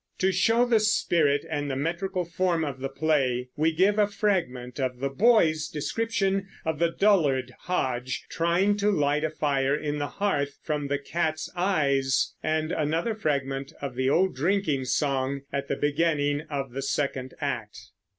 To show the spirit and the metrical form of the play we give a fragment of the boy's description of the dullard Hodge trying to light a fire on the hearth from the cat's eyes, and another fragment of the old drinking song at the beginning of the second act.